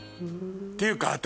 っていうか私